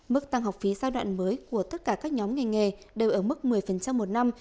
mức tăng học phí giai đoạn mới của tất cả các nhóm ngành nghề đều ở mức một mươi một năm